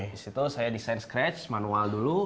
disitu saya desain scratch manual dulu